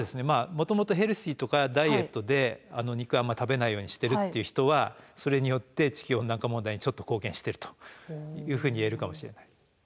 もともとヘルシーとかダイエットで肉あんま食べないようにしてるっていう人はそれによって地球温暖化問題にちょっと貢献してるというふうに言えるかもしれない。